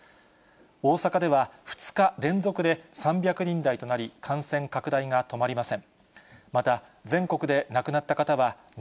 大阪では２日連続で３００人台となり、感染拡大が止まりません。